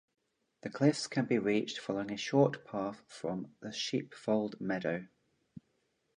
The cliffs can be reached following a short path from the Sheepfold Meadow.